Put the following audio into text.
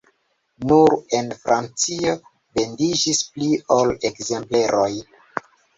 Nur en Francio vendiĝis pli ol ekzempleroj.